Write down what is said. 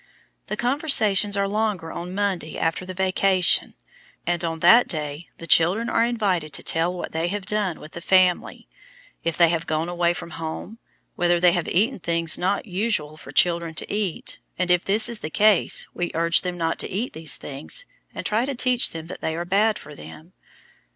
The conversations are longer on Monday after the vacation, and on that day the children are invited to tell what they have done with the family; if they have gone away from home, whether they have eaten things not usual for children to eat, and if this is the case we urge them not to eat these things and try to teach them that they are bad for them.